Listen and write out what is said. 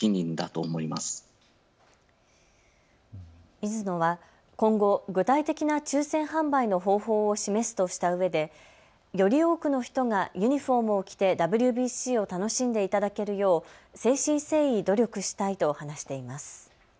ミズノは今後、具体的な抽せん販売の方法を示すとしたうえでより多くの人がユニフォームを着てＷＢＣを楽しんでいただけるよう誠心誠意努力したいと話しています。